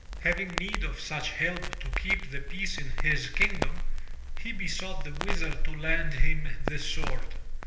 Having need of such help to keep the peace in his kingdom, he besought the Wizard to lend him the sword.